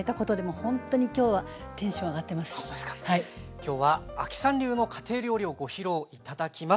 今日は亜希さん流の家庭料理をご披露頂きます。